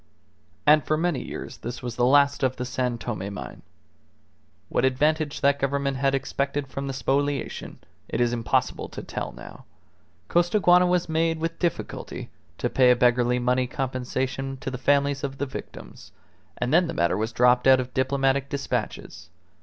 And for many years this was the last of the San Tome mine. What advantage that Government had expected from the spoliation, it is impossible to tell now. Costaguana was made with difficulty to pay a beggarly money compensation to the families of the victims, and then the matter dropped out of diplomatic despatches.